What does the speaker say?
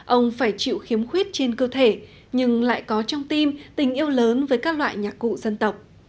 ông phải chịu khiếm khuyết trên cơ thể nhưng lại có trong tim tình yêu lớn với các loại nhạc cụ dân tộc